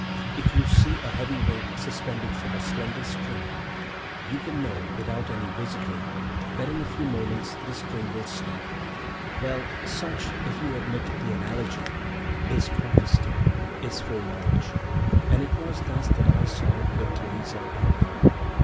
If you see a heavy weight suspended from a slender string, you can know, without any wizardry, that in a few moments the string will snap; well, such, if you admit the analogy, is prophecy, is foreknowledge. And it was thus that I saw it with Theresa and Allan.